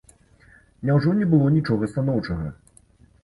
Няўжо не было нічога станоўчага?